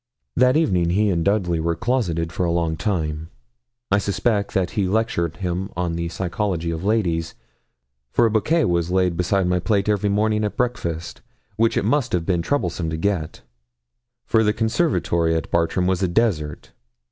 That evening he and Dudley were closeted for a long time. I suspect that he lectured him on the psychology of ladies; for a bouquet was laid beside my plate every morning at breakfast, which it must have been troublesome to get, for the conservatory at Bartram was a desert.